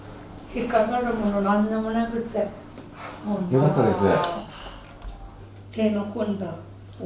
よかったです。